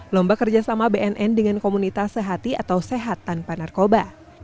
lomba kerjasama bnn dengan komunitas sehati atau sehat tanpa narkoba